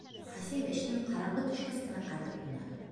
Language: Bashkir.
Ҡасим эшенән ҡараңғы төшкәс кенә ҡайтып инә.